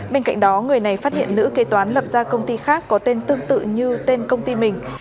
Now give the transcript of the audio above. bên cạnh đó người này phát hiện nữ kế toán lập ra công ty khác có tên tương tự như tên công ty mình